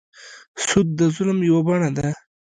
سود د ظلم یوه بڼه ده.